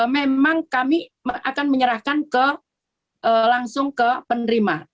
memang kami akan menyerahkan langsung ke penerima